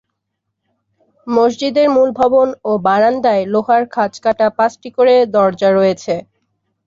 মসজিদের মূল ভবন ও বারান্দায় লোহার খাঁজকাটা পাঁচটি করে দরজা রয়েছে।